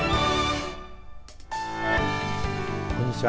こんにちは。